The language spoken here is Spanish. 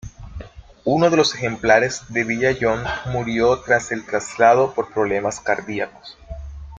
Uno de los ejemplares de Villayón murió tras el traslado por problemas cardíacos.